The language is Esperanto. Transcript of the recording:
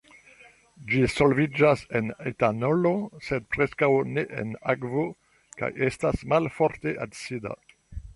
Ĝi solviĝas en etanolo, sed preskaŭ ne en akvo, kaj estas malforte acida.